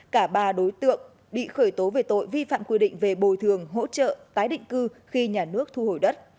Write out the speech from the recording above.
cả ba đối tượng bị khởi tố về tội vi phạm quy định về bồi thường hỗ trợ tái định cư khi nhà nước thu hồi đất